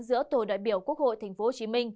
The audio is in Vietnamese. giữa tổ đại biểu quốc hội tp hcm